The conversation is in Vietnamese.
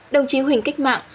đồng chí huỳnh kích mạng